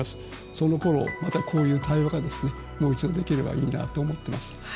そのころまたこういう対話がですねもう一度できればいいなと思っています。